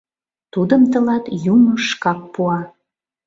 Тудым тылат Юмо шкак пуа.